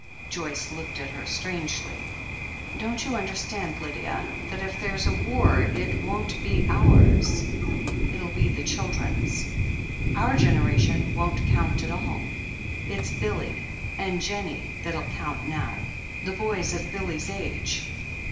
Joyce looked at her strangely. "Don't you understand, Lydia, that if there's a war, it won't be ours ?— if II he the children's. Our genera THE HEEL OF ACHILLES 379 tion won't count at all — it's Billy and Jennie that'll count now — ^the boys of Billy's age."